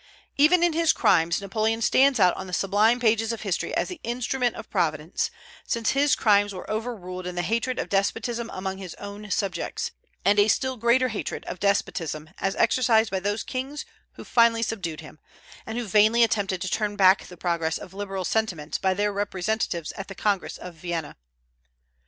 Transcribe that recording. Even in his crimes Napoleon stands out on the sublime pages of history as the instrument of Providence, since his crimes were overruled in the hatred of despotism among his own subjects, and a still greater hatred of despotism as exercised by those kings who finally subdued him, and who vainly attempted to turn back the progress of liberal sentiments by their representatives at the Congress of Vienna.